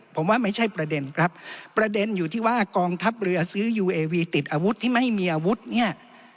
ผมว่าไม่ใช่ประเด็นครับประเด็นอยู่ที่ว่ากองทัพเรือซื้อยูเอวีติดอาวุธที่ไม่มีอาวุธเนี่ย